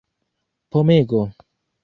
pomego